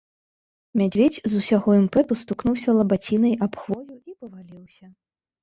Мядзведзь з усяго імпэту стукнуўся лабацінай аб хвою і паваліўся.